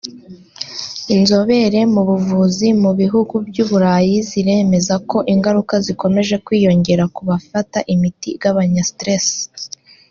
Inzobere mu buvuzi mu bihugu by’iburayi ziremeza ko ingaruka zikomeje kwiyongera ku bafata imiti igabanya ‘stress’